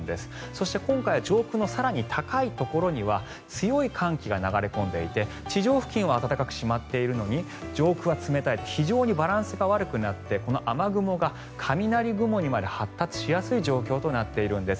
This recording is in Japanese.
そして今回上空の更に高いところには強い寒気が流れ込んでいて地上付近は暖かく湿っているのに上空は冷たい非常にバランスが悪くなってこの雨雲が雷雲にまで発達しやすい状況となっているんです。